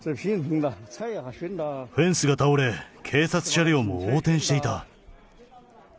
フェンスが倒れ、警察車両も横転していた。